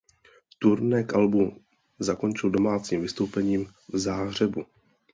Turné k albu zakončil domácím vystoupením v Záhřebu.